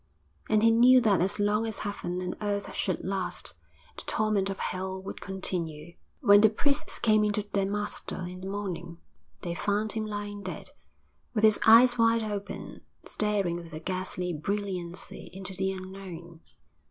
And he knew that as long as heaven and earth should last, the torment of hell would continue. When the priests came in to their master in the morning, they found him lying dead, with his eyes wide open, staring with a ghastly brilliancy into the unknown.